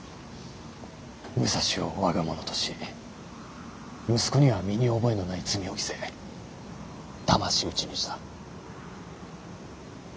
武蔵を我が物とし息子には身に覚えのない罪を着せだまし討ちにした。